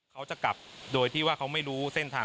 เขาจะกลับโดยที่ว่าเขาไม่รู้เส้นทาง